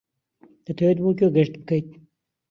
دەتەوێت بۆ کوێ گەشت بکەیت؟